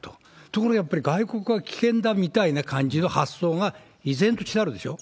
ところがやっぱり、外国は危険だみたいな感じの発想が、依然としてあるでしょ。